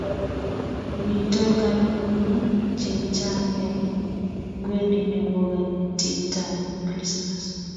mito konunoik che chang' eng' ngweny nebo ketitab krismas